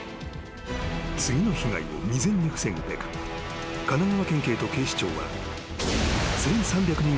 ［次の被害を未然に防ぐべく神奈川県警と警視庁は］